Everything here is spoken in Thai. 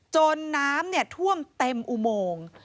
น้ำท่วมเต็มอุโมง